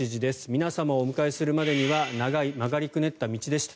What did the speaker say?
皆様をお迎えするまでには長い曲がりくねった道でした。